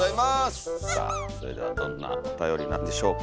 さあそれではどんなおたよりなんでしょうか。